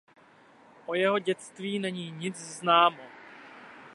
O jeho dětství není nic známo.